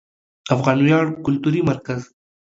افغان ویاړ کلتوري مرکز